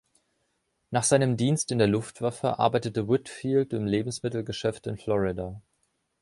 Nach seinem Dienst in der Luftwaffe arbeitete Whitfield im Lebensmittelgeschäft in Florida.